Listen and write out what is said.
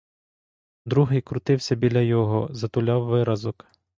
Другий крутився біля його: затуляв виразок.